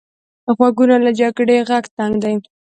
غوږونه له جګړې غږ تنګ دي